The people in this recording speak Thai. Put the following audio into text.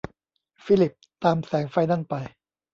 ฟิลิปตามแสงไฟนั่นไป